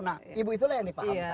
nah ibu itulah yang dipahami